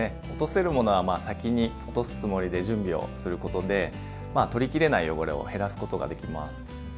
落とせるものは先に落とすつもりで準備をすることでまあ取りきれない汚れを減らすことができます。